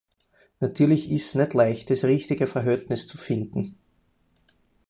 Natürlich ist es nicht leicht, das richtige Verhältnis zu finden.